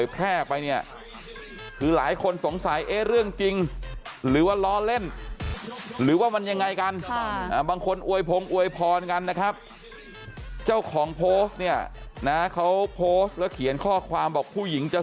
ทีล่างว่าเออร้อนเล่นก็น่าจะคลิปเดียวล่ะมั้ง